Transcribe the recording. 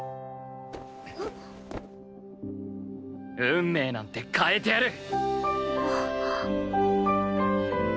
運命なんて変えてやる！